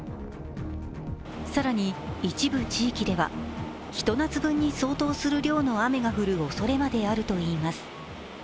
更に、一部地域では、ひと夏分に相当する量の雨が降るおそれまであるといいます。